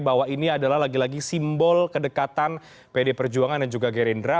bahwa ini adalah lagi lagi simbol kedekatan pd perjuangan dan juga gerindra